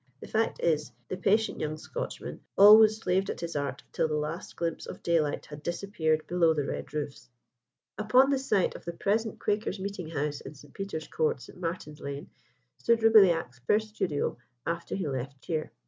The fact is, the patient young Scotchman always slaved at his art till the last glimpse of daylight had disappeared below the red roofs. Upon the site of the present Quakers' Meeting house in St. Peter's Court, St. Martin's Lane, stood Roubilliac's first studio after he left Cheere.